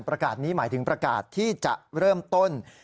ประกาศนี้หมายถึงประกาศที่จะเริ่มต้น